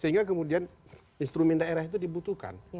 sehingga kemudian instrumen daerah itu dibutuhkan